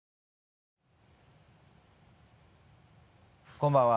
こんばんは。